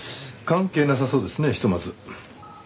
関係なさそうですねひとまず。